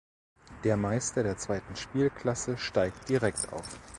Der Meister der zweiten Spielklasse steigt direkt auf.